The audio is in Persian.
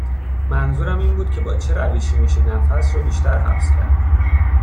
منظورم این بود که با چه روشی میشه نفس رو بیشتر حبس کرد؟